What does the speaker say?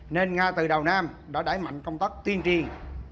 nên nga từ đầu nam đã đẩy mạnh công tác tuyên truyền